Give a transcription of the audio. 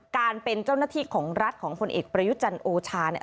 การเป็นเจ้าหน้าที่ของรัฐของผลเอกประยุจันทร์โอชาเนี่ย